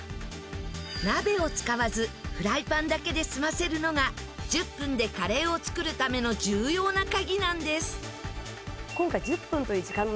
鍋を使わずフライパンだけで済ませるのが１０分でカレーを作るための重要な鍵なんです。